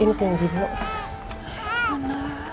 ini tinggi dong